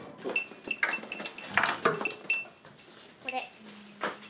これ。